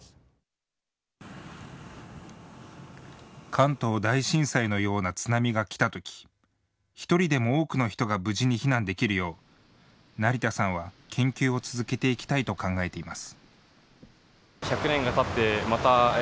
関東大震災のような津波が来たとき、１人でも多くの人が無事に避難できるよう成田さんは研究を続けていきたいと考えています。